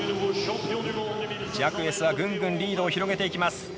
ジャクエスはぐんぐんリードを広げていきます。